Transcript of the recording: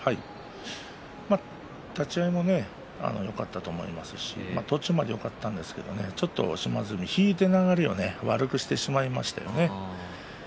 立ち合いもよかったと思いますし途中までよかったんですけど島津海は引いて、流れを悪くしてしまいましたね。